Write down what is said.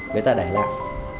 người ta để lại